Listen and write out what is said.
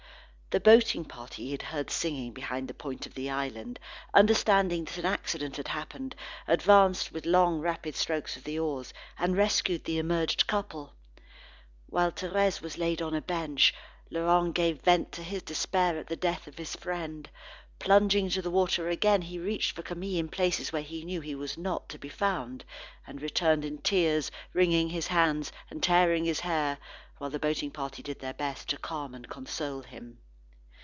The boating party he had heard singing behind the point of the island, understanding that an accident had happened, advanced with long, rapid strokes of the oars, and rescued the immerged couple. While Thérèse was laid on a bench, Laurent gave vent to his despair at the death of his friend. Plunging into the water again, he searched for Camille in places where he knew he was not to be found, and returned in tears, wringing his hands, and tearing his hair, while the boating party did their best to calm and console him.